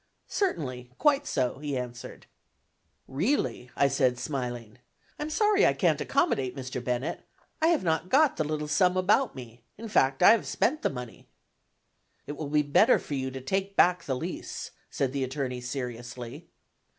"Certainly, quite so," he answered. "Really," I said, smiling, "I am sorry I can't accommodate Mr. Bennett; I have not got the little sum about me; in fact, I have spent the money." "It will be better for you to take back the lease," said the attorney seriously.